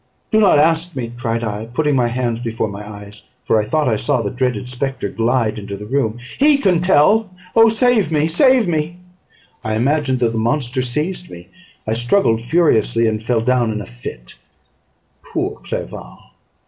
"Do not ask me," cried I, putting my hands before my eyes, for I thought I saw the dreaded spectre glide into the room; "he can tell. Oh, save me! save me!" I imagined that the monster seized me; I struggled furiously, and fell down in a fit. Poor Clerval!